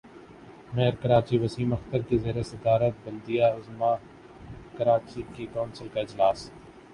mayor Karachi Waseem Akhtar کی زیر صدارت بلدیہ عظمی کراچی کی کونسل کا اجلاس